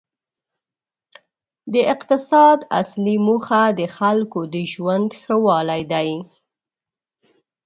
د اقتصاد اصلي موخه د خلکو د ژوند ښه والی دی.